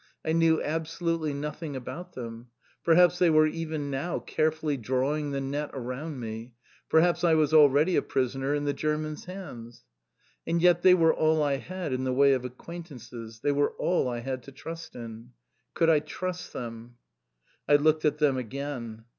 I knew absolutely nothing about them. Perhaps they were even now carefully drawing the net around me. Perhaps I was already a prisoner in the Germans' hands. And yet they were all I had in the way of acquaintances, they were all I had to trust in. Could I trust them? I looked at them again.